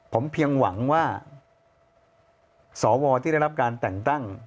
ผมเพียงหวังว่าสวที่ได้รับการแต่งตั้ง